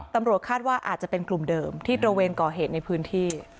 ตำรวจคาดว่าอาจจะเป็นกลุ่มเดิมที่ตระเวนก่อเหตุในพื้นที่